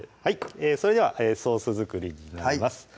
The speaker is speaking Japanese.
それではソース作りになります